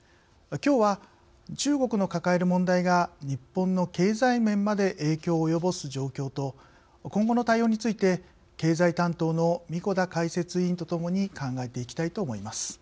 きょうは、中国の抱える問題が日本の経済面まで影響を及ぼす状況と今後の対応について経済担当の神子田解説委員と共に考えていきたいと思います。